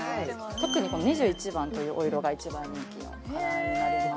特にこの２１番というお色が一番人気のカラーになります